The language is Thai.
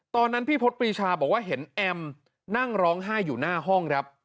ตอนนั้นพี่พฤษปรีชาบอกว่าเห็นแอมนั่งร้องไห้อยู่หน้าห้องครับ